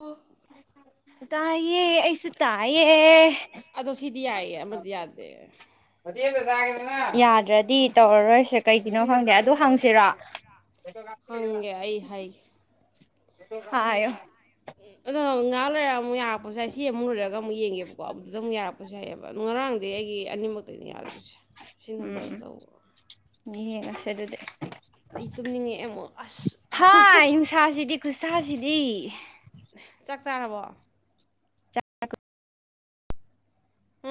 ꯑꯣ ꯇꯥꯏꯌꯦ ꯑꯩꯁꯨꯦ ꯇꯥꯏꯌꯦ ꯑꯗꯣ ꯁꯤꯗꯤ ꯌꯥꯏ ꯃꯗꯤ ꯌꯥꯗ ꯌꯥꯗ꯭ꯔꯗꯤ ꯇꯧꯔꯔꯣꯏꯁꯦ ꯀꯩꯒꯤꯅꯣ ꯈꯪꯗꯦ ꯑꯗꯨ ꯍꯪꯁꯤꯔꯣ ꯍꯪꯒꯦ ꯑꯩ ꯍꯥꯏꯒꯦ ꯑꯣ ꯑꯗꯣ ꯉꯥꯛ ꯂꯩꯔꯒ ꯑꯃꯨꯛ ꯌꯥꯛꯄꯁꯨ ꯌꯥ ꯍꯥꯏ ꯁꯤ ꯑꯃꯨꯛ ꯂꯔꯒ ꯑꯃꯨꯛ ꯌꯦꯡꯉꯦꯕꯀꯣ ꯑꯗꯨꯗꯨꯗ ꯑꯃꯨꯛꯄ ꯌꯥꯑꯕꯣ ꯉꯥꯡ ꯑꯩꯒꯤ ꯑꯅꯤꯃꯛ ꯌꯥꯗ꯭ꯣꯏꯁꯦ ꯁꯤ ꯎꯝ ꯅꯝꯕꯔꯗ ꯎ ꯌꯦꯡꯉꯁꯦ ꯑꯗꯨꯗꯤ ꯑꯩ ꯇꯨꯝꯅꯤꯡꯉꯛꯑꯦ ꯑꯃꯣꯛ ꯑꯁ ꯖꯤꯗꯤ ꯆꯥꯛ ꯆꯥꯔꯕꯣ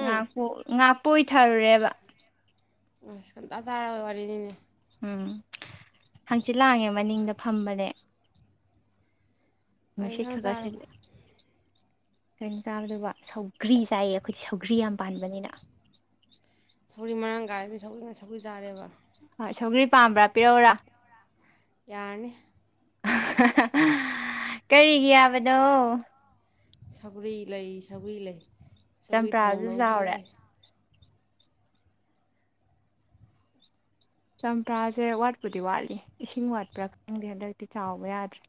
ꯉꯥ ꯄꯣꯛ ꯉꯥ ꯀꯣꯏꯊꯔꯨꯔꯦꯕ ꯑꯁ ꯈꯟꯇꯥ ꯆꯥꯔꯣꯏ ꯋꯥꯔꯤꯅꯤꯅꯦ ꯎꯝ ꯍꯪꯆꯤꯠ ꯂꯥꯡꯉꯦ ꯃꯅꯤꯡꯗ ꯐꯝꯕꯅꯦ ꯀꯩ ꯅꯨꯡꯁꯤꯠ ꯏꯟꯁꯥꯡ ꯈꯥ ꯈꯥ ꯆꯥꯔꯕ ꯁꯤꯠꯂꯦ ꯀꯩꯅꯣ ꯀꯥꯕꯗꯨꯕ ꯁꯧꯒ꯭ꯔꯤ ꯆꯥꯏꯌꯦ ꯑꯩꯈꯣꯏꯗꯤ ꯁꯧꯒ꯭ꯔꯤ ꯌꯥꯝ ꯄꯥꯟꯕꯅꯤꯅ ꯁꯧꯔꯤ ꯃꯔꯥꯡ ꯀꯥꯏꯔꯃꯤ ꯁꯧꯔꯤꯒꯥꯏ ꯁꯧꯔꯤ ꯆꯥꯔꯦꯕ ꯍꯣꯏ ꯁꯧꯒ꯭ꯔꯤ ꯄꯥꯝꯕ꯭ꯔꯥ ꯄꯤꯔꯛꯎꯔꯥ ꯌꯥꯔꯥꯅꯤ ꯀꯩꯒꯤ ꯌꯥꯕꯅꯣ ꯁ꯭ꯔꯔꯤ ꯂꯩ ꯁꯕ꯭ꯔꯤ ꯂꯩ ꯁꯧꯒ꯭ꯔꯤ ꯆꯝꯄ꯭ꯔꯥꯖꯨ ꯊꯣꯡꯗꯧꯁꯨ ꯆꯥꯎꯔꯦ ꯂꯩ ꯆꯝꯄ꯭ꯔꯥꯁꯦ ꯋꯥꯠꯄꯨꯗꯤ ꯋꯥꯠꯂꯤ ꯏꯁꯤꯡ ꯋꯥꯠꯄ꯭ꯔꯥ ꯈꯪꯗꯦ ꯍꯟꯗꯛꯇꯤ ꯆꯥꯎꯕ ꯌꯥꯗ꯭ꯔꯦ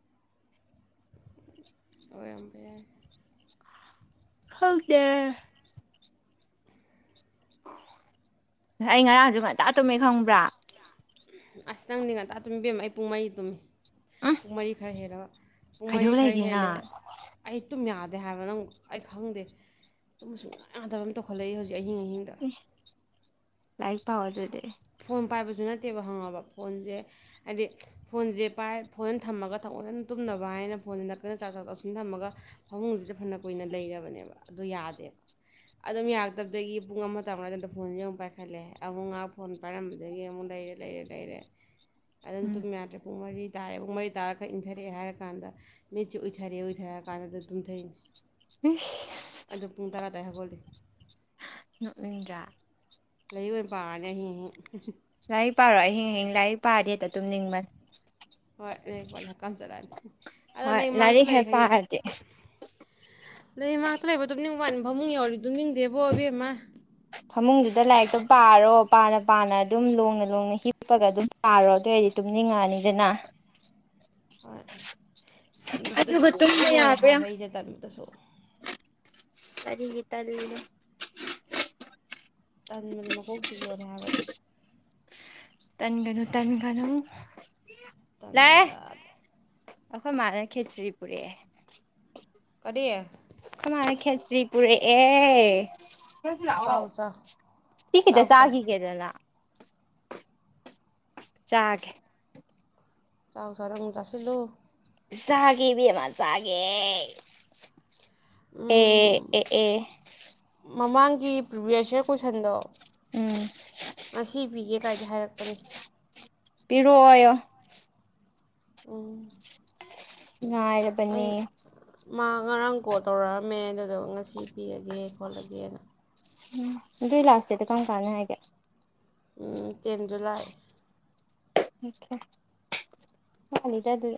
ꯑꯣꯏꯦꯝꯕ ꯌꯥ ꯍꯪꯗꯦ ꯑꯩ ꯉꯔꯥꯡꯁꯨ ꯉꯟꯇꯥ ꯇꯨꯝꯃꯦ ꯈꯪꯕ꯭ꯔꯥ ꯑꯁ ꯅꯪꯗꯤ ꯉꯟꯇꯥ ꯇꯨꯝꯕꯦꯝ ꯑꯩ ꯄꯨꯡ ꯃꯔꯤ ꯇꯨꯝꯃꯤ ꯎꯝ ꯄꯨꯡ ꯃꯔꯤ ꯈꯔ ꯍꯦꯜꯂꯒꯥ ꯄꯨꯡ ꯃꯔꯤ ꯀꯩꯗꯧ ꯈꯔ ꯂꯩꯒꯦꯅ ꯍꯦꯜꯂꯦꯑꯦ ꯑꯩ ꯇꯨꯝ ꯌꯥꯗ ꯍꯥꯏꯕ ꯑꯩ ꯈꯪꯗꯦ ꯁꯨꯌꯥ ꯌꯥꯗꯕ ꯃꯥ꫰ꯇꯦꯀꯍꯥꯠꯂꯛꯏ ꯍꯧ ꯑꯍꯤꯡ ꯑꯍꯤꯡ ꯗꯥ ꯂꯥꯏꯔꯤꯛ ꯄꯥꯎ ꯑꯗꯨꯗꯦ ꯑꯗꯨꯨ ꯅꯠꯇꯦꯕ ꯍꯪꯉꯕ ꯐꯣꯟꯁꯦ ꯍꯥꯏꯗꯤ ꯐꯣꯟꯁꯦ ꯄꯥꯏ ꯐꯣꯟ ꯊꯝꯃꯒ ꯊꯑꯣꯣꯏ ꯁꯅ ꯇꯨꯝꯅꯕ ꯍꯥꯏꯅ ꯐꯣꯟꯁꯦ ꯅꯛꯀꯟꯅ ꯆꯥꯛ ꯆꯥꯛ ꯆꯥꯎꯁꯤꯟ ꯊꯝꯃꯒ ꯐꯃꯨꯡꯁꯤꯗ ꯐꯅ ꯀꯨꯏꯅ ꯂꯩꯔꯕꯅꯦꯕ ꯑꯗꯨꯣ ꯌꯥꯗꯦꯕ ꯑꯗꯨꯝ ꯌꯥꯔꯛꯇꯕꯗꯒꯤ ꯄꯨꯡ ꯑꯃ ꯇꯥꯔꯝꯗꯥꯏꯗ ꯐꯣꯟꯁꯦ ꯑꯃꯨꯛ ꯄꯥꯏꯈꯠꯂꯦ ꯍꯥꯏ ꯑꯃꯨꯛ ꯉꯥꯏꯍꯥꯛ ꯐꯣꯟ ꯄꯥꯏꯔꯝꯕꯗꯒꯤ ꯑꯃꯨꯛ ꯂꯩꯔꯦ ꯂꯩꯔꯦ ꯂꯩꯔꯦ ꯑꯗꯨꯝ ꯎꯝ ꯇꯨꯝ ꯌꯥꯗꯔꯦ ꯄꯨꯡ ꯃꯔꯤꯗ ꯇꯥꯔꯦ ꯃꯩ ꯇꯥꯔ ꯈꯔ ꯏꯟꯊꯔꯛꯑꯦ ꯍꯥꯏꯔꯥꯟꯗ ꯃꯤꯠꯁꯤ ꯎꯏꯊꯔꯛꯑꯦ ꯎꯏꯊꯔꯛꯑ ꯀꯥꯟꯗ ꯇꯨꯝꯊꯩꯅꯤꯩ ꯏꯁ ꯑꯗ ꯄꯨꯡ ꯇꯔꯥ ꯗꯩꯩ ꯍꯒꯣ ꯅꯣꯛꯅꯤꯡꯗꯔꯥ ꯂꯩꯏꯛ ꯑꯣꯏꯅ ꯄꯥꯔꯥꯅꯤ ꯑꯍꯤꯡ ꯑꯍꯤꯡ ꯂꯥꯏꯔꯤꯛ ꯄꯥꯔꯣ ꯑꯍꯤꯡ ꯑꯍꯤꯡ ꯂꯥꯏꯔꯤꯛ ꯄꯥꯔꯗꯤ ꯍꯦꯛꯇ ꯑꯗꯨꯝ ꯅꯤꯡꯕꯅꯤ ꯍꯣꯏ ꯑꯦ ꯍ ꯀ ꯆꯠꯂꯛꯑꯅꯤ ꯑꯗ ꯍꯣꯏ ꯅ ꯃꯥꯡꯛꯇ ꯂꯥꯏꯔꯤꯛ ꯂꯩ ꯍꯦꯛ ꯈꯖꯤ ꯄꯥꯔꯗꯤ ꯂꯩꯃꯇ ꯂꯩꯕꯗꯝꯅꯤ ꯋꯥꯠꯅꯤ ꯐꯃꯨꯡ ꯌꯥꯧꯔꯤꯗꯨ ꯅꯤꯡꯗꯦꯕꯣ ꯏꯕꯦꯝꯃ ꯐꯃꯨꯡꯗꯨꯗ ꯂꯥꯏꯔꯤꯛꯇꯣ ꯄꯥꯔꯣ ꯄꯥꯅ ꯄꯥꯅ ꯑꯗꯨꯝ ꯂꯣꯡꯅ ꯂꯣꯡꯅ ꯍꯤꯞꯄꯒ ꯑꯗꯨꯝ ꯄꯥꯔꯣ ꯑꯗꯨꯑꯣ ꯑꯣꯏꯔꯗꯤ ꯇꯨꯝꯅꯤꯡꯉꯛꯑꯅꯤꯗꯅ ꯍꯣꯏ ꯇꯟꯕꯗꯁꯨ ꯑꯗꯨꯒ ꯇꯨꯝꯕ ꯂꯣꯏꯔꯦ ꯌꯥꯕ꯭ꯔꯥ ꯍꯥꯏꯕ ꯌꯦꯡꯉꯣ ꯑꯩꯁꯦ ꯇꯟꯕꯗꯁꯨ ꯀꯔꯤꯒꯤ ꯇꯔꯅꯦ ꯇꯥ ꯃ ꯃ ꯀ ꯍꯁꯤꯡꯂꯣꯔꯦ ꯍꯥꯏꯕꯏ ꯇꯟꯒꯅꯨ ꯇꯟꯒꯅꯨ ꯂꯥꯛꯑꯦ ꯇꯟꯕꯗ ꯑꯩꯈꯣꯏ ꯃꯥꯟ ꯈꯦ ꯇ꯭ꯔꯤꯄꯨꯔꯦ ꯀꯔꯤ ꯄꯔꯦ ꯥꯛ ꯆꯥꯎ ꯆꯥꯎ ꯀꯤ ꯈꯤꯇ ꯆꯥꯎ ꯆꯥꯎ ꯆꯥꯈꯤꯒꯦꯗꯅ ꯆꯥꯒꯦ ꯆ ꯆꯔꯝ ꯆꯥꯁꯤ ꯆꯒꯦꯕꯤꯃ ꯆꯒꯦ ꯑꯦ ꯎꯝ ꯑꯦ ꯑꯦ ꯃꯃꯥꯡꯒꯤ ꯄ꯭ꯔꯤꯚꯤꯌꯁ ꯌꯔ ꯀꯣꯏꯁꯟꯗꯣ ꯎꯝ ꯉꯁꯤ ꯄꯤꯒꯦ ꯀꯥꯏꯗ ꯍꯥꯏꯔꯛꯄꯅꯦ ꯄꯤꯔꯛꯑꯣ ꯎ ꯉꯥꯏꯔꯕꯅꯦ ꯃꯥ ꯉꯔꯥꯡ ꯀꯣꯜ ꯇꯧꯔꯛꯑꯝꯃꯦ ꯑꯗꯨꯗꯣ ꯉꯁꯤ ꯄꯤꯔꯒꯦ ꯈꯣꯠꯂꯒꯦꯅ ꯎꯝ ꯏ ꯂꯥꯛꯁꯤꯗꯤ ꯀꯔꯝ ꯀꯥꯟꯅ ꯍꯥꯏꯒꯦ ꯇꯦꯟ ꯖꯨꯂꯥꯏ ꯆ ꯇ ꯑꯗꯨ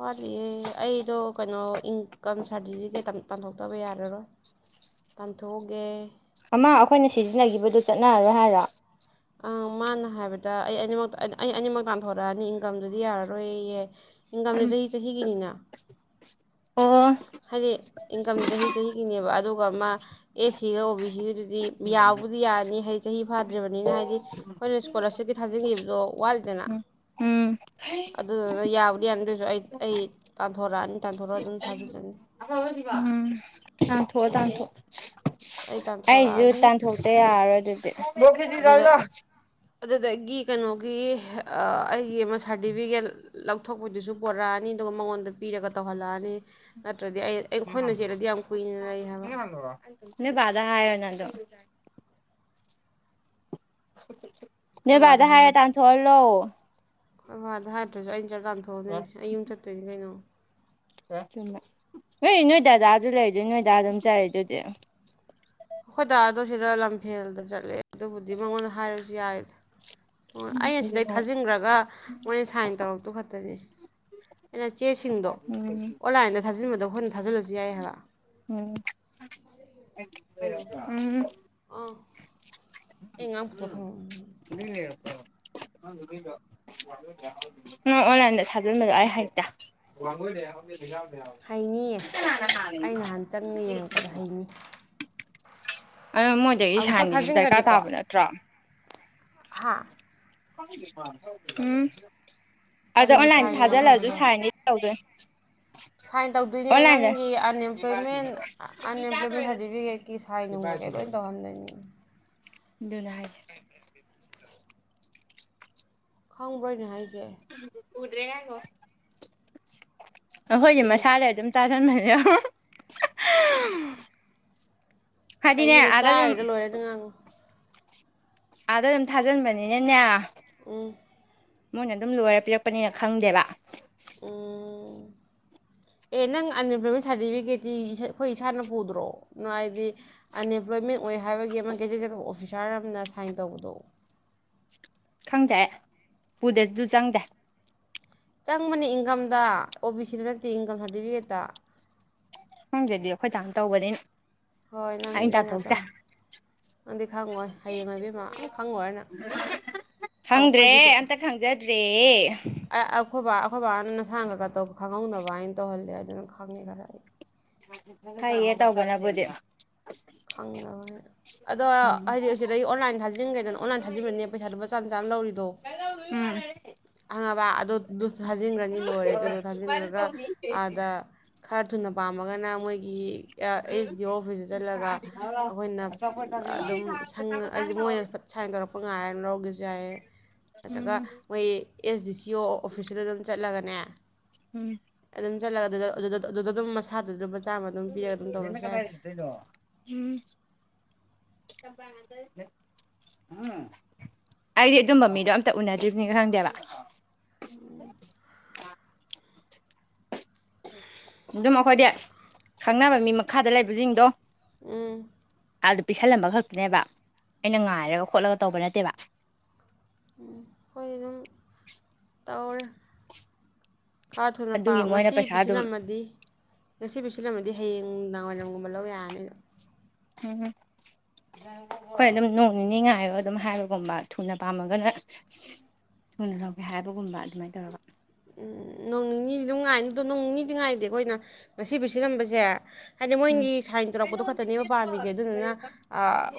ꯋꯥꯠꯂꯤꯌꯦ ꯑꯩꯗꯣ ꯀꯩꯅꯣ ꯏꯟꯀꯝ ꯁꯥꯔꯇꯤꯐꯤꯀꯦꯠ ꯇꯥꯟꯊꯣꯛꯇꯕ ꯌꯥꯔꯔꯣꯏ ꯇꯥꯟꯊꯣꯛꯑꯒꯦ ꯑꯃ ꯑꯩꯈꯣꯏꯅ ꯁꯤꯖꯤꯟꯅꯈꯤꯕꯗꯨ ꯆꯠꯅꯔꯔꯣꯏ ꯍꯥꯏꯔꯣ ꯑ ꯃꯥꯅ ꯍꯥꯏꯕꯗ ꯑꯩ ꯑꯅꯤꯃꯛ ꯑꯩ ꯑꯅꯤꯃꯛ ꯇꯥꯟꯊꯣꯔꯛꯑꯅꯤ ꯏꯟꯀꯝꯗꯨꯗꯤ ꯌꯥꯔꯔꯣꯏꯌꯦ ꯏꯟꯀꯝꯁ ꯆꯍꯤ ꯆꯍꯤꯒꯤꯅꯤꯅ ꯑꯣ ꯍꯥꯏꯗꯤ ꯏꯟꯀꯝꯁꯦ ꯆꯍꯤ ꯆꯍꯤꯒꯤꯅꯦꯕ ꯑꯗꯨꯒ ꯃꯥ ꯑꯦ ꯁꯤꯒ ꯑꯣ ꯕꯤ ꯁꯤꯒꯤꯗꯨꯗꯤ ꯌꯥꯕꯨꯗꯤ ꯌꯥꯔꯅꯤ ꯍꯥꯏꯗꯤ ꯆꯍꯤ ꯐꯥꯗ꯭ꯔꯤꯕꯅꯤꯅ ꯍꯥꯏꯗꯤ ꯍꯥꯏꯗꯤ ꯑꯩꯈꯣꯏꯅ ꯏꯁꯀꯣꯂꯥꯔꯁꯤꯞꯀꯤ ꯊꯥꯖꯤꯟꯈꯤꯕꯗꯣ ꯋꯥꯠꯂꯤꯗꯅ ꯎꯝ ꯎꯝ ꯎꯝ ꯑꯗꯨꯗꯨꯅ ꯌꯥꯕꯨꯗꯤ ꯌꯥꯔꯗꯣꯏꯁꯨ ꯑꯩ ꯑꯩ ꯇꯥꯟꯊꯣꯔꯛꯑꯅꯤ ꯇꯥꯟꯊꯣꯔꯛꯑ ꯑꯗꯨꯝ ꯊꯥꯖꯤꯜꯂꯅꯤ ꯊꯣ ꯇꯥꯟꯊꯣ ꯑꯩ ꯑꯩꯁꯨ ꯇꯥꯟꯊꯣꯔꯛꯑꯅꯤ ꯇꯥꯟꯊꯣꯛꯇ ꯌꯥꯔꯣꯏ ꯑꯗꯨꯗꯤ ꯂꯣ ꯀꯖꯤꯗꯤ ꯌꯥ ꯂ ꯑꯗꯨ ꯑꯩꯗꯒꯤ ꯀꯩꯅꯣꯒꯤ ꯑꯩꯒꯤ ꯑꯃ ꯁꯥꯔꯇꯤꯐꯤꯀꯦꯠ ꯂꯧꯊꯣꯛꯄꯗꯨꯁꯨ ꯄꯣꯔꯛꯑꯅꯤ ꯑꯗꯨꯒ ꯃꯉꯣꯟꯗ ꯄꯤꯔꯒ ꯇꯧꯍꯜꯂꯛꯑꯅꯤ ꯅꯠꯇ꯭ꯔꯗꯤ ꯑꯩ ꯑꯩꯈꯣꯏꯅ ꯆꯦꯜꯂꯗꯤ ꯌꯥꯝ ꯀꯨꯏꯅ ꯂꯩ ꯍꯥꯏꯕ ꯕꯥꯗꯥ ꯍꯥꯏ ꯅ [inaudible] ꯎ ꯅꯣꯏ ꯑꯩꯈꯣꯏ ꯕꯥꯗ ꯍꯥꯏꯔ ꯇꯥꯟꯊꯣꯛꯍꯜꯂꯣꯑꯣ ꯑꯣ ꯑꯗꯨ ꯆꯔ ꯂꯥꯟꯊꯣꯛꯑꯅꯦ ꯑꯩ ꯌꯨꯝ ꯆꯠꯇꯣꯏꯅꯦ ꯀꯩꯅꯣ ꯍꯣꯏ ꯅꯣꯏꯗꯥꯗꯥ ꯑꯗꯨ ꯂꯩꯗ ꯅꯣꯏꯗ ꯑꯗꯨꯝ ꯆꯔꯦ ꯑꯗꯨꯗꯤ ꯑꯩꯈꯣꯏ ꯇꯗꯥ ꯑꯗꯨ ꯁꯤꯗ ꯂꯝꯐꯦꯜꯗ ꯆꯠꯂꯦ ꯑꯗꯨꯕꯨꯗꯤ ꯃꯉꯣꯟꯗ ꯍꯥꯏꯔꯁꯨ ꯌꯥꯔꯦꯗ ꯑꯣ ꯑꯩꯅ ꯁꯤꯗꯩ ꯑꯗꯨꯅ ꯊꯥꯖꯤꯟꯈ꯭ꯔꯒ ꯃꯣꯏꯅ ꯁꯥꯏꯟ ꯇꯧꯔꯛꯇꯨ ꯈꯛꯇꯅꯦ ꯑꯩꯅ ꯆꯦꯁꯤꯡꯗꯣ ꯎꯝ ꯑꯣꯟꯂꯥꯏꯟꯗ ꯊꯥꯖꯤꯟꯕꯗꯣ ꯑꯩꯈꯣꯏꯅ ꯊꯥꯖꯤꯜꯂꯁꯤ ꯌꯥꯏ ꯍꯥꯏꯔ ꯎꯝ ꯎꯝ ꯑꯣꯥ ꯑꯦꯉꯝ ꯄ꯭ꯔꯊꯝ ꯅꯪ ꯑꯣꯟꯂꯥꯏꯟꯗ ꯊꯥꯖꯤꯟꯕꯗꯣ ꯑꯩ ꯍꯥꯏꯦꯛꯇ ꯍꯩꯅꯤꯌꯦ ꯑꯩ ꯅꯍꯥꯟ ꯆꯪꯉ ꯌꯦꯡꯉꯛꯄꯗ ꯍꯩꯅꯤ [inaudible] ꯑ ꯃꯣꯏꯗꯒꯤ ꯑꯃꯨꯛꯈꯛ ꯁꯥꯟꯅꯤꯗꯨ ꯗꯔꯀꯥꯔ ꯊꯥꯖꯤꯟꯈ꯭ꯔꯗꯤꯀꯣ ꯇꯥꯕ ꯅꯠꯇ꯭ꯔꯣ ꯍꯥ ꯎꯝ ꯑꯗ ꯀꯔꯤꯒꯤ ꯑꯣꯟꯂꯥꯏꯟ ꯁꯥꯏꯟꯅꯣ ꯅꯪ ꯊꯥꯖꯤꯜꯂꯁꯨ ꯑꯗꯣ ꯁꯥꯔꯅꯤ ꯇꯧꯗꯣꯏ ꯁꯥꯏꯟ ꯇꯧꯗꯣꯏꯅꯦ ꯅꯪꯒꯤ ꯑꯟꯑꯦꯝꯄ꯭ꯂꯣꯏꯃꯦꯟ ꯑꯟꯑꯦꯝꯄ꯭ꯂꯣꯏꯃꯦꯟ ꯁꯥꯔꯇꯤꯐꯤꯀꯦꯠꯀꯤ ꯁꯥꯏꯟ ꯅꯨꯡ ꯀꯩ ꯀꯩ ꯂꯣꯏ ꯇꯧꯍꯟꯗꯣꯏꯅꯤ ꯂꯖ ꯈꯪꯕ꯭ꯔꯣꯏꯅꯦ ꯍꯥꯏꯁꯦ ꯎꯗ꯭ꯔꯦ ꯌꯥꯒꯣ ꯑꯩꯈꯣꯏꯗꯤ ꯃꯁꯥꯂ ꯏꯁ ꯑꯗꯨꯝ ꯇꯥꯖꯟꯅꯁꯦ [inaudible] ꯀꯩ ꯃꯆꯥ ꯍꯥꯏꯔꯣ ꯂꯣꯏꯔꯅ ꯉꯥꯡꯉꯨ ꯑꯥꯗ ꯑꯗꯨꯝ ꯊꯥꯖꯤꯟꯕꯅꯤꯅꯅꯦ ꯎꯝ ꯃꯣꯏꯅ ꯑꯗꯨꯝ ꯂꯣꯏꯔ ꯄꯤꯔꯛꯄꯅꯤꯅ ꯈꯪꯗꯦꯕ ꯎ ꯑꯦ ꯅꯪ ꯑꯟꯑꯦꯝꯄ꯭ꯂꯣꯏꯃꯦꯟ ꯁꯥꯔꯇꯤꯐꯤꯀꯦꯠꯇꯤ ꯑꯩꯈꯣꯏ ꯏꯁꯥꯅ ꯄꯨꯗ꯭ꯔꯣ ꯍꯥꯏꯗꯤ ꯑꯟꯑꯦꯝꯄ꯭ꯂꯣꯏꯃꯦꯟ ꯑꯣꯏ ꯍꯥꯏꯕꯒꯤ ꯑꯃ ꯀꯦꯖꯦꯗꯦꯠ ꯑꯣꯐꯤꯁꯥꯔ ꯑꯃꯅ ꯁꯥꯏꯟ ꯇꯧꯕꯗꯣ ꯈꯪꯗꯦ ꯄꯨꯗꯁꯨ ꯆꯪꯗꯦ ꯆꯪꯕꯅꯤ ꯏꯟꯀꯝꯗ ꯑꯣ ꯕꯤ ꯁꯤꯗ ꯅꯠꯇꯦ ꯏꯟꯀꯝ ꯁꯥꯔꯇꯤꯐꯤꯀꯦꯠꯇ ꯍꯪꯒꯗꯤ ꯑꯩꯈꯣꯏ ꯆꯥꯝ ꯇꯧꯕꯅꯤ ꯍꯣꯏ ꯅꯪꯗꯤ ꯅꯣꯏ ꯅꯇꯧ ꯅꯪꯗꯤ ꯈꯪꯉꯣꯏ ꯍꯌꯦꯡ ꯑꯣꯏꯕꯤ ꯃ ꯑꯃ ꯈꯪꯉꯣꯏꯅꯪ ꯈꯪꯗ꯭ꯔꯦ ꯑꯩꯈꯣꯏꯗꯤ ꯑꯝꯇ ꯈꯪꯖꯗ꯭ꯔꯦ ꯑꯩꯈꯣꯏꯕ ꯑꯐꯕ ꯍꯥꯏꯅ ꯅꯁꯥꯡ ꯈꯒꯧ ꯈꯪꯍꯧꯅꯕ ꯍꯥꯏꯅ ꯇꯧꯍꯜꯂꯦ ꯑꯗꯨꯅ ꯈꯪꯉꯦ ꯈꯔ ꯑꯩ ꯀꯩꯌꯦ ꯇꯧꯕ ꯅꯕꯨꯗꯤ ꯈꯪꯉꯣꯏ ꯍꯥꯏꯅ ꯑꯗꯣ ꯎꯝ ꯍꯥꯏꯗꯤ ꯁꯤꯗꯩ ꯑꯣꯟꯂꯥꯏꯟ ꯊꯥꯖꯤꯟꯈ꯭ꯔꯦꯗꯅ ꯑꯣꯟꯂꯥꯏꯟ ꯊꯥꯖꯤꯟꯈ꯭ꯔꯅꯤ ꯄꯩꯁꯥꯗꯨꯄꯥ ꯆꯥꯝ ꯆꯥꯅ ꯂꯧꯔꯤꯗꯣ ꯎꯝ ꯑꯪꯉꯕ ꯑꯗꯨꯁꯨ ꯊꯥꯖꯤꯟꯈ꯭ꯔꯅꯤ ꯂꯣꯏꯔꯦ ꯑꯗꯨꯗꯣ ꯊꯥꯖꯤꯟꯈ꯭ꯔꯒ ꯑꯥꯗ ꯈꯔ ꯊꯨꯅ ꯄꯥꯝꯃꯒꯅ ꯃꯣꯏꯒꯤ ꯑꯦꯁ ꯗꯤ ꯑꯣ ꯑꯣꯐꯤꯁꯇ ꯆꯠꯂꯒ ꯑꯩꯈꯣꯏꯅ ꯑꯗꯨꯝ ꯍꯥꯏꯗꯤ ꯃꯣꯏꯅ ꯁꯥꯏꯟ ꯇꯧꯔꯛꯄ ꯉꯥꯏꯔꯅ ꯂꯧꯔꯒꯦꯁꯨ ꯌꯥꯏꯔꯦ ꯅꯠꯇ꯭ꯔꯒ ꯎꯝ ꯃꯣꯏ ꯑꯦꯁ ꯗꯤ ꯁꯤ ꯑꯣ ꯑꯣꯐꯤꯁꯁꯤꯗ ꯑꯗꯨꯝ ꯆꯠ ꯂꯒꯅꯦ ꯎꯝ ꯑꯗꯨ ꯆꯠꯂꯒ ꯑꯗꯨ ꯑꯗꯨꯗ ꯑꯗꯨꯝ ꯃꯁꯥꯗꯨ ꯆꯥꯝꯃ ꯑꯗꯨꯝ ꯄꯤꯔꯒ ꯑꯗꯨꯝ ꯇꯧꯔꯁꯨ ꯌꯥꯔꯦ ꯎꯝ ꯎꯝ ꯑꯩꯗꯤ ꯑꯗꯨꯝꯕ ꯃꯤꯗꯣ ꯑꯝꯇ ꯎꯅꯗ꯭ꯔꯤꯕꯅꯤ ꯈꯪꯗꯦꯕ ꯎꯝ ꯎꯝ ꯑꯗꯨꯝ ꯑꯩꯈꯣꯏꯗꯤ ꯈꯪꯅꯕ ꯃꯤ ꯃꯈꯥꯗ ꯂꯩꯕꯁꯤꯡꯗꯣ ꯎꯝ ꯑꯥꯗ ꯄꯤꯁꯜꯂꯝꯕ ꯈꯛꯇꯤꯅꯦꯕ ꯑꯩꯅ ꯉꯥꯏꯔꯒ ꯈꯣꯠꯂꯒ ꯇꯧꯕ ꯅꯠꯇꯦꯕ ꯎ ꯑꯩꯈꯣꯏ ꯑꯗꯨꯝ ꯇꯧꯔꯦ ꯈꯔ ꯊꯨꯅ ꯄꯥꯎ ꯑꯗꯨꯒꯤ ꯃꯣꯏꯅ ꯉꯁꯤ ꯄꯩꯁꯥ ꯑꯗꯨꯝ ꯄꯤꯁꯤꯜꯂꯝꯃꯗꯤ ꯉꯁꯤꯕꯨ ꯁꯤꯜꯂꯝꯃꯗꯤ ꯍꯌꯦꯡ ꯅꯗꯥꯡꯋꯥꯏꯔꯝꯒꯨꯝꯕ ꯂꯧ ꯌꯥꯔꯅꯤꯗꯣ ꯎꯝ ꯍꯣꯏ ꯑꯗꯨꯝ ꯅꯣꯡ ꯅꯤꯅꯤ ꯉꯥꯏꯌꯣ ꯑꯗꯨꯝ ꯍꯥꯏꯕꯒꯨꯝꯕ ꯊꯨꯅ ꯄꯥꯝꯃꯒꯅ ꯊꯨꯅ ꯂꯧꯒꯦ ꯍꯥꯏꯕꯒꯨꯝꯕ ꯑꯗꯨꯃꯥꯏꯅ ꯇꯧꯔꯕ ꯅꯣꯡ ꯅꯤꯗꯤ ꯑꯗꯨꯝ ꯉꯥꯏꯅꯤꯗꯣ ꯅꯣꯡ ꯅꯤꯗꯤ ꯉꯥꯏꯗꯦ ꯑꯩꯈꯣꯏꯅ ꯉꯁꯤꯕꯨ ꯁꯤꯂꯝꯕꯁꯦ ꯍꯥꯏꯗꯤ ꯎꯝ ꯃꯣꯏꯒꯤ ꯁꯥꯏꯟ ꯇꯧꯔꯛꯄꯗꯣ ꯈꯛꯇꯅꯦꯕ ꯄꯥꯝꯃꯤꯁꯦ ꯑꯗꯨꯗꯨꯅ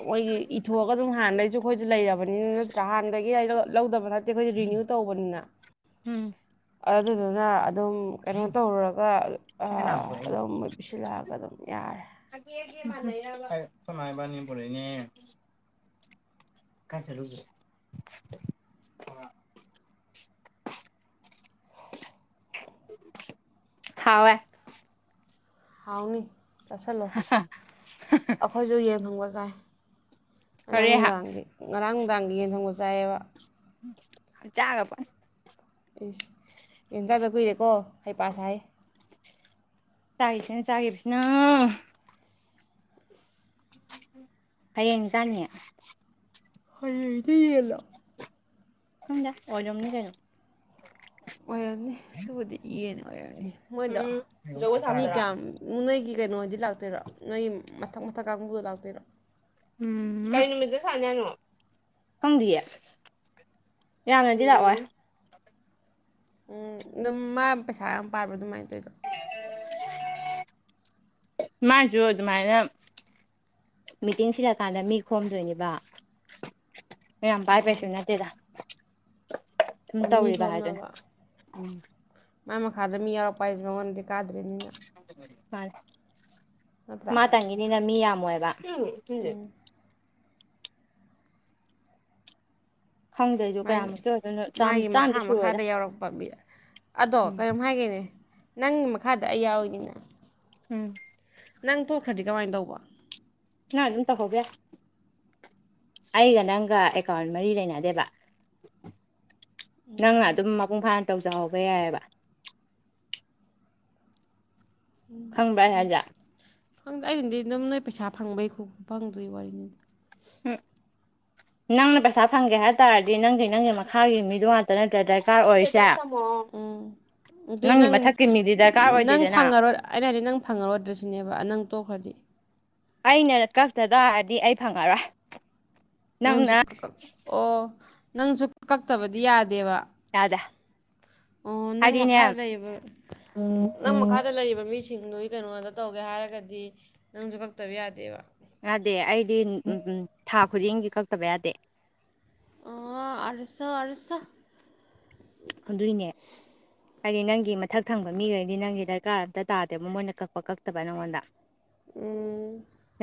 ꯃꯣꯏꯒꯤ ꯏꯊꯣꯛꯑꯒ ꯑꯗꯨꯝ ꯍꯥꯟꯅꯗꯒꯤꯩꯁꯨ ꯑꯩꯈꯣꯏꯁꯨ ꯂꯩꯔꯕꯅꯤꯅ ꯅꯠꯇ꯭ꯔꯥ ꯍꯥꯟꯅꯗꯒꯤ ꯑꯩꯗ ꯂꯧꯗꯕꯅ ꯑ ꯑꯩꯈꯣꯏꯗ ꯔꯤꯅ꯭ꯌꯨ ꯇꯧꯕꯅꯤꯅ ꯎꯝ ꯑꯗꯨꯗꯨꯅ ꯑꯗꯨꯝ ꯀꯩꯅꯣ ꯇꯧꯔꯨꯔꯒ ꯑꯗꯨꯝꯣꯏ ꯄꯤꯁꯤꯜꯂꯛꯑꯒ ꯑꯗꯨꯝ ꯌꯥꯔꯦ ꯁꯥꯏꯕꯅꯤꯕꯦꯅꯦ ꯀꯥꯏ ꯆꯂꯒ ꯍꯥꯎꯕꯦ ꯑꯥꯎꯅꯤ ꯆꯠꯁꯤꯜꯂꯣ ꯑꯩꯈꯣꯏꯁꯨ ꯌꯦꯡ ꯊꯪꯕꯠ ꯌꯥꯏ ꯉꯥꯡ ꯍꯣꯔꯦꯟ ꯅꯨꯡꯗꯥꯡ ꯉꯔꯥꯡ ꯗꯥꯥꯡ ꯌꯦꯟ ꯊꯪꯕ ꯆꯥꯏꯑꯕ ꯆꯥꯒꯄ ꯑꯩꯁ ꯌꯦꯟꯖꯥꯛꯇ ꯀꯨꯏꯔꯦꯀꯣ ꯍꯩꯄꯥ ꯁꯥꯏ ꯆꯒꯦꯁꯤꯦꯅ ꯆꯦꯁꯤꯅ ꯍꯌꯦꯡ ꯏ ꯆꯥꯡꯅꯤ ꯍꯌꯦ ꯏꯗꯤ ꯌꯦꯂ ꯁꯖ ꯑꯣꯖꯝꯅꯤ ꯀꯩꯅꯩꯅꯣ ꯑꯣꯏꯔꯝꯅꯤ ꯑꯗꯨꯕꯨꯗꯤ ꯌꯦꯅꯨ ꯑꯣꯏꯅꯤ ꯃꯣꯏꯗ ꯃꯤ ꯀꯥꯝ ꯎꯟꯅ ꯀ ꯀꯩꯅꯣꯗꯤ ꯂꯥꯛꯇꯣꯏꯔꯣ ꯅꯣꯏꯒꯤ ꯃꯊꯛ ꯃꯊꯛ ꯀꯥꯡꯕꯨꯗꯣ ꯂꯥꯛꯇꯣꯏꯔꯣ ꯎꯝ ꯀ ꯅꯨꯃꯤꯠꯇ ꯁꯥꯅꯤꯅꯣ ꯈꯪꯗꯤꯌꯦ ꯌꯥꯝꯅꯗꯤ ꯂꯥꯛꯑꯣꯏ ꯎꯝ ꯑꯗꯨꯝ ꯃꯥ ꯄꯩꯁꯥ ꯌꯥꯝ ꯄꯥꯕ ꯑꯗꯨꯃꯥꯏꯅ ꯇꯧꯗꯣ ꯃꯥꯁꯨ ꯑꯗꯨꯃꯥꯏꯅ ꯃꯤꯇꯤꯡ ꯁꯤꯜꯂꯛꯀꯥꯟꯗ ꯃꯤ ꯈꯣꯝꯗꯣꯏꯅꯦꯕ ꯄꯥꯏ ꯄꯁ ꯅꯠꯇꯦꯗ ꯁꯨꯝ ꯃꯤ ꯇꯧꯔꯤꯕ ꯍꯥꯏꯗꯅ ꯎꯝ ꯃꯥꯥꯏ ꯃꯈꯥꯗ ꯃꯤ ꯌꯥꯎꯔꯛꯄ ꯍꯥꯏꯁꯦ ꯃꯉꯣꯟꯗꯗꯤ ꯀꯥꯗ꯭ꯔꯤꯕꯅꯤꯅ ꯍꯣꯏ ꯅꯠꯇ꯭ꯔꯥ ꯃꯥ ꯇꯒꯤꯅꯤꯅ ꯃꯤ ꯌꯥꯝꯃꯣꯏꯕ ꯎꯝ ꯏꯂ ꯈꯪꯗ꯭ꯔꯁꯨ ꯃꯥꯒꯤ ꯀꯌꯥꯃꯨꯛꯇꯤ ꯑꯣꯏꯗꯣꯏꯅꯣ ꯆꯥꯝ ꯃꯥꯒꯤ ꯃꯈꯥ ꯆꯥꯝꯗꯤ ꯁꯨꯔꯣꯏꯗ ꯃꯈꯥꯗ ꯌꯥꯎꯔꯛꯄ ꯑꯗꯣ ꯎꯝ ꯀꯔꯤꯝ ꯍꯥꯏꯒꯦꯅꯦ ꯅꯪ ꯃꯈꯥꯗ ꯑꯌꯥꯎꯏꯒꯤꯅ ꯎꯝ ꯅꯪ ꯊꯣꯛꯈ꯭ꯔꯗꯤ ꯀꯃꯥꯏꯅ ꯇꯧꯕ ꯅꯪ ꯑꯗꯨꯝ ꯇꯧꯍꯧꯕ ꯑꯩꯒ ꯅꯪꯒ ꯑꯦꯀꯥꯎꯟ ꯃꯔꯤ ꯂꯩꯅꯗꯦꯕ ꯅꯪ ꯑꯗꯨꯝ ꯃꯄꯨꯡ ꯐꯥꯅ ꯇꯧꯖꯍꯧꯕ ꯌꯥꯏꯑꯕ ꯈꯪꯕ꯭ꯔ ꯔꯖꯥꯠ ꯈꯪꯗꯦ ꯑꯗꯤꯗꯤ ꯑꯗꯨꯝ ꯅꯣꯏ ꯄꯩꯁꯥ ꯐꯪꯕꯩ ꯐꯪꯗꯣꯏ ꯋꯥꯔꯤꯅꯤꯗꯤ ꯎꯝ ꯅꯪꯅ ꯄꯩꯁꯥ ꯐꯪꯒꯦ ꯍꯥꯏ ꯇꯥꯔꯗꯤ ꯅꯪꯗꯤ ꯅꯪꯒꯤ ꯃꯈꯥꯒꯤ ꯃꯤꯗꯣ ꯉꯥꯛꯇ ꯅꯠꯇ꯭ꯔ ꯗꯔꯀꯥꯔ ꯑꯣꯏꯔꯤꯁꯦ ꯎꯝ ꯑꯗꯨꯏꯗꯤ ꯅꯪꯒꯤ ꯅꯪ ꯃꯊꯛꯀꯤ ꯃꯤꯗꯤ ꯗꯔꯀꯥꯔ ꯅꯪ ꯑꯣꯏꯗꯦꯗꯅ ꯐꯪꯉꯔ ꯑꯩꯅ ꯍꯥꯏꯗꯤ ꯅꯪ ꯐꯪꯉꯔꯣꯏꯗ꯭ꯔꯁꯨꯅꯦꯕ ꯅꯪ ꯇꯣꯛꯈ꯭ꯔꯗꯤ ꯑꯩꯅ ꯀꯛꯇ ꯇꯥꯔꯗꯤ ꯑꯩ ꯐꯪꯉꯔꯣꯏ ꯅꯁꯨ ꯅꯪꯅ ꯑꯣ ꯅꯪꯁꯨ ꯀꯛꯇꯕꯗꯤ ꯌꯥꯗꯦꯕ ꯌꯥꯗ ꯑꯣ ꯅꯪ ꯃꯈꯥꯗ ꯂꯩꯌꯦꯕ ꯅꯪ ꯃꯈꯥꯗ ꯂꯩꯔꯤꯕ ꯃꯤꯁꯤꯡꯗꯨꯒꯤ ꯀꯩꯅꯣ ꯉꯇ ꯇꯧꯒꯦ ꯍꯥꯏꯔꯒꯗꯤ ꯅꯪꯁꯨ ꯀꯛꯇꯕ ꯌꯥꯗꯦꯕ ꯌꯥꯗꯦ ꯑꯩꯗꯤ ꯎ ꯊꯥ ꯈꯨꯗꯤꯡꯒꯤ ꯀꯛꯇꯕ ꯌꯥꯗꯦ ꯑꯣꯥ ꯑꯁ ꯑꯁ ꯑꯗꯨꯏꯅꯦ ꯍꯥꯏꯗꯤ ꯅꯪꯒꯤ ꯃꯊꯛ ꯊꯪꯕ ꯃꯤꯈꯩꯗꯤ ꯅꯪꯒꯤ ꯗꯔꯀꯥꯔ ꯑꯝꯇ ꯇꯥꯗꯦꯕ ꯃꯣꯏꯅ ꯀꯛꯄ ꯀꯛꯇꯕ ꯅꯪꯉꯣꯟꯗ ꯎ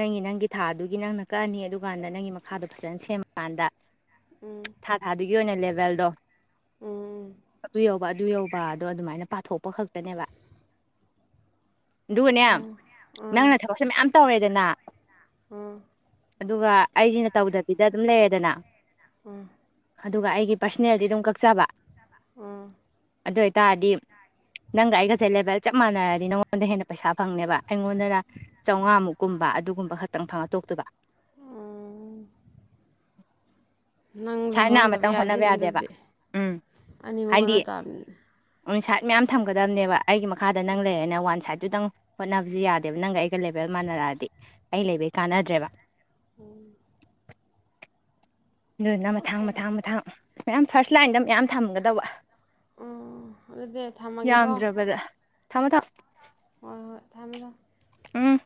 ꯅꯪꯒꯤ ꯊꯥꯗꯨꯒꯤ ꯅꯪꯅ ꯀꯛꯑꯅꯤ ꯀꯥꯟꯗ ꯅꯪꯒꯤ ꯃꯈꯥꯗꯣ ꯐꯖꯅ ꯁꯦꯝꯃꯀꯥꯟꯗ ꯊꯥ ꯊꯥꯗꯨꯒꯤ ꯒꯤ ꯑꯣꯏꯅ ꯂꯦꯚꯦꯜꯗꯣ ꯑꯗꯨꯏ ꯌ ꯄꯊꯣꯛ ꯈꯅꯦꯕ ꯑꯗꯨꯒꯅꯦ ꯑꯣ ꯅꯪꯅ ꯊꯕꯛꯁꯦ ꯃꯌꯥꯝ ꯇꯧꯔꯦꯗꯅ ꯎꯝ ꯑꯗꯨꯒ ꯑꯩꯁꯤꯅ ꯇꯧꯗꯕꯤꯗ ꯑꯗꯨꯝ ꯂꯩꯔꯦꯗꯅ ꯎꯝ ꯑꯗꯨꯒ ꯑꯩꯒꯤ ꯄꯥꯔꯁꯅꯦꯜꯗꯤ ꯑꯗꯨꯝ ꯀꯛꯆꯕ ꯎꯝ ꯑꯗꯨ ꯑꯣꯏꯇꯥꯔꯗꯤ ꯅꯪꯒ ꯑꯩꯒꯁꯦ ꯂꯦꯕꯦꯜ ꯆꯞ ꯃꯥꯟꯅꯔꯗꯤ ꯅꯪꯉꯣꯟꯗ ꯍꯦꯟꯅ ꯄꯩꯁꯥ ꯐꯪꯅꯦꯕ ꯑꯩꯉꯣꯟꯗꯅ ꯆꯥꯝꯃꯉꯥꯃꯨꯛꯀꯨꯝꯕ ꯑꯗꯨꯒꯨꯝꯕ ꯈꯛꯇꯪ ꯐꯪꯉꯛꯇꯣꯛꯇꯕ ꯑ ꯅꯪꯁꯨ ꯁꯥꯏꯠ ꯅꯥ ꯍꯣꯔꯍꯟꯗꯕ ꯑꯃꯇꯪ ꯍꯣꯠꯅꯕ ꯌꯥꯗꯦꯅꯦ ꯌꯥꯗꯦꯕ ꯑꯗꯨꯗꯤ ꯎꯝ ꯑꯅꯤꯃꯛ ꯍꯥꯏꯗꯤ ꯍꯣꯟꯅ ꯇꯥꯕꯅꯤꯅꯦ ꯁꯥꯏꯠ ꯃꯌꯥꯝ ꯊꯝꯒꯗꯕꯅꯦꯕ ꯑꯩꯒꯤ ꯃꯈꯥꯗ ꯅꯪ ꯂꯩꯔꯦꯅ ꯋꯥꯟ ꯁꯥꯏꯗꯠꯇꯨꯇꯪ ꯍꯣꯠꯅꯕꯁꯨ ꯌꯥꯗꯦꯕ ꯅꯪꯒ ꯑꯩꯒ ꯂꯦꯕꯦꯜ ꯃꯥꯟꯅꯔꯛꯑꯗꯤ ꯑꯩ ꯂꯩꯕꯩ ꯀꯥꯟꯅꯗ꯭ꯔꯦꯕ ꯎꯝ ꯑꯗꯨꯅ ꯃꯊꯥꯡ ꯑꯣꯀꯦ ꯑꯣꯀꯦ ꯃꯊꯥꯡ ꯃꯊꯥꯡ ꯃꯌꯥꯝ ꯐꯥꯔꯁ ꯂꯥꯏꯟꯗ ꯃꯌꯥꯝ ꯊꯝꯒꯗꯕ ꯑꯣ ꯑꯗꯨꯗꯤ ꯊꯝꯃꯒꯦꯀꯣ ꯊꯃ ꯊ ꯍꯣꯏ ꯍꯣꯏ ꯊꯥꯃꯦꯂ ꯎꯝ